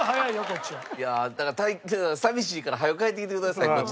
いやだから寂しいから早よ帰ってきてください